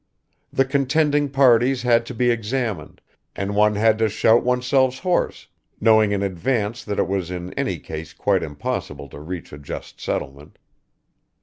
The contending parties had to be examined, and one had to shout oneself hoarse, knowing in advance that it was in any case quite impossible to reach a just settlement.